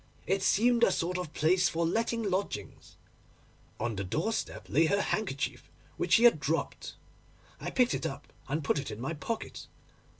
It seemed a sort of place for letting lodgings. On the doorstep lay her handkerchief, which she had dropped. I picked it up and put it in my pocket.